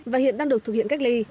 và hiện đang được thực hiện cách ly